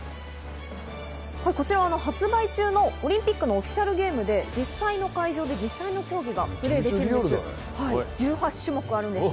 発売中のオリンピックのオフィシャルゲームで実際の会場で実際の競技が行えるんです。